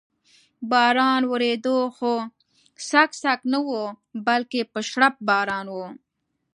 باران ورېده، خو څک څک نه و، بلکې په شړپ باران و.